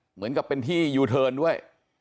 เหมือนกับเป็นที่ยูเทิร์นด้วย